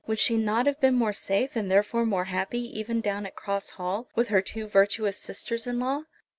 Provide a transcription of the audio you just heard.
Would she not have been more safe and therefore more happy even down at Cross Hall, with her two virtuous sisters in law?